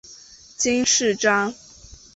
金饰章。